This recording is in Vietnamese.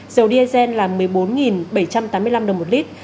dầu diesel là một mươi bốn bảy trăm tám mươi năm đồng một lít